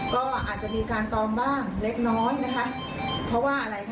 ก็อาจจะมีการตอมบ้างเล็กน้อยนะคะเพราะว่าอะไรคะ